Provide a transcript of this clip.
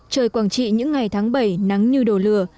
trời quảng trị những ngày tháng bảy nắng như đồ lửa